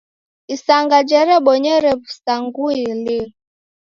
Isanga jerebonyere w'usaghui lii?